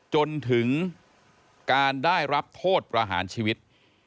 จนถึงการได้รับโทษประหารชีวิต